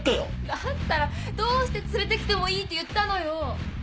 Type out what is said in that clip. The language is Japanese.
だったらどうして「連れて来てもいい」って言ったのよ？